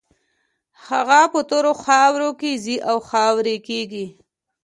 هغه په تورو خاورو کې ځي او خاورې کېږي.